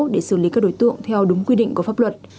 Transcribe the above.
để xử lý các đối tượng theo đúng quy định của pháp luật